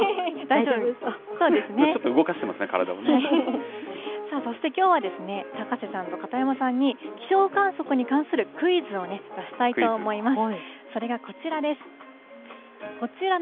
ちょっと動かしてますね、体そしてきょうは、高瀬さんと片山さんに気象観測に関するクイズを出したいと思います。